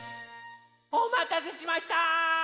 おまたせしました！